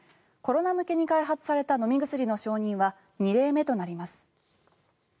コロナ向けに開発された飲み薬の承認は２例目となります。